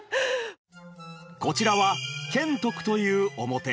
こちらは賢徳という面。